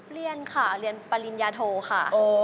เรียนค่ะเรียนปริญญาโทค่ะ